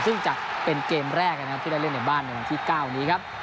ซึ่งจะเป็นเกมแรกนะครับที่ได้เล่นในบ้านในวันที่๙นี้ครับ